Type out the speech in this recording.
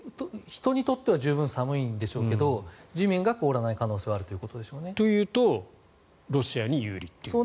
人にとっては十分寒いんでしょうけど地面が凍らない可能性があるということでしょうね。というとロシアに有利という。